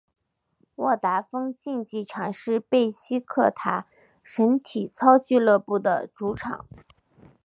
沃达丰竞技场是贝西克塔什体操俱乐部的主场。